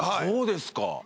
そうですか。